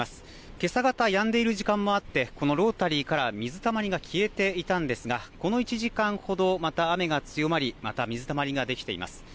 けさ方、やんでいる時間もあってこのロータリーから水たまりが消えていたんですが、この１時間ほど、また雨が強まりまた水たまりができています。